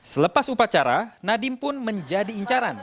selepas upacara nadiem pun menjadi incaran